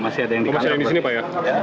masih ada yang di sini pak ya